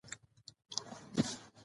د خلکو ګډون ستونزې کموي